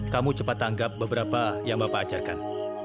kamu cepat tanggap beberapa yang bapak ajarkan